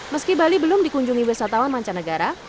meski bali belum dikunjungi wisatawan mancanegara